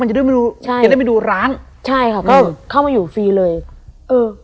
จะได้ไม่รู้ใช่จะได้ไปดูร้านใช่ค่ะก็เข้ามาอยู่ฟรีเลยเออ